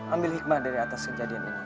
ambil hikmah dari atas kejadian ini ya